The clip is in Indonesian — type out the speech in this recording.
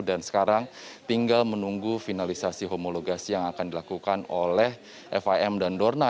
dan sekarang tinggal menunggu finalisasi homologasi yang akan dilakukan oleh fim dan dorna